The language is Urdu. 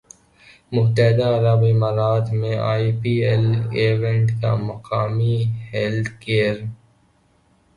متحدہ عرب امارات میں آئی پی ایل ایونٹ کا مقامی ہیلتھ کیئر